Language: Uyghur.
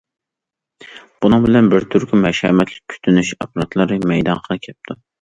بۇنىڭ بىلەن بىر تۈركۈم ھەشەمەتلىك كۈتۈنۈش ئاپپاراتلىرى مەيدانغا كەپتۇ.